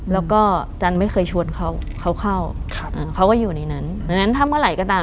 แล้วก็จันทร์ไม่เคยชวนเขาเข้าเข้าเขาก็อยู่ในนั้นดังนั้นทำก็ไหลกันตาม